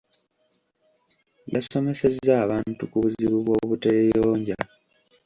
Yasomesezza abantu ku buzibu bw'obuteeyonja.